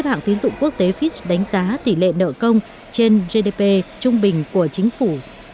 xếp hạng tín dụng quốc tế fitch đánh giá tỷ lệ nợ công trên gdp trung bình của chính phủ